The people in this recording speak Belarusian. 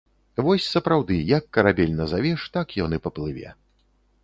Вось сапраўды, як карабель назавеш, так ён і паплыве.